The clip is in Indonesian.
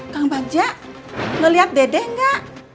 kang banja lo liat dede enggak